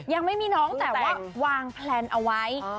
ยังไม่มีน้องแต่ว่าวางแพลนเอาไว้